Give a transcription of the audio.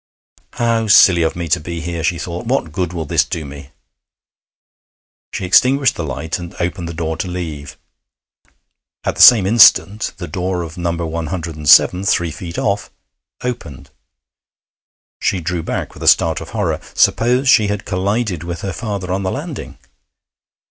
'How silly of me to be here!' she thought. 'What good will this do me?' She extinguished the light and opened the door to leave. At the same instant the door of No. 107, three feet off, opened. She drew back with a start of horror. Suppose she had collided with her father on the landing!